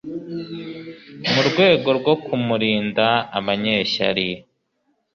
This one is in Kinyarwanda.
mu rwego rwo kumurinda abanyeshyari